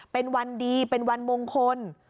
เป็นวันดีเป็นวันมงคล